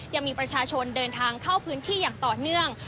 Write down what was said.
ยังมีประชาชนเดินทางเข้าพื้นที่อย่างต่อเนื่อง